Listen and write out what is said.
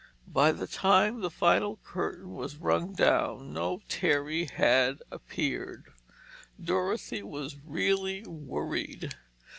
But by the time the final curtain was rung down, no Terry had appeared. Dorothy was really worried.